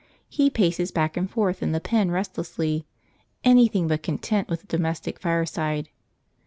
He paces back and forth in the pen restlessly, anything but content with the domestic fireside.